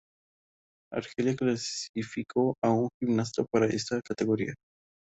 Argelia clasificó a un gimnasta para esta categoría.